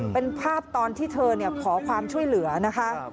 เป็นภาพตอนที่เธอขอความช่วยเหลือนะคะ